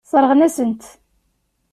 Sseṛɣen-asen-t.